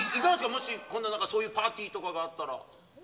もし今度そういうパーティーがあったら。